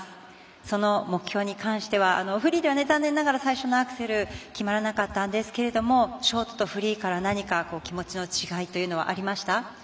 その目標に関してはフリーでは残念ながら最初のアクセル決まらなかったんですけれどもショートとフリーで何か気持ちの違いというのはありましたか？